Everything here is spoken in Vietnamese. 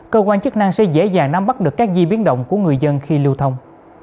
cơ quan chức năng sẽ dễ dàng nắm bắt được các di biến động của người dân khi lưu thông